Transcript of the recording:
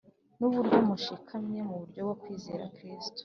n’uburyo mushikamye mu byo kwizera Kristo